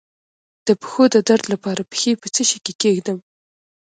د پښو د درد لپاره پښې په څه شي کې کیږدم؟